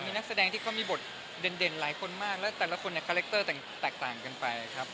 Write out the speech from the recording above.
มีนักแสดงที่เขามีบทเด่นหลายคนมากแล้วแต่ละคนเนี่ยคาแรคเตอร์แตกต่างกันไปครับ